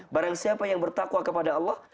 barang siapa yang bertakwa kepada allah